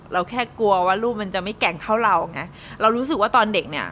เราแค่กลัวว่าลูกมันจะไม่แก่งเท่าเราไงเรารู้สึกว่าตอนเด็กเนี่ย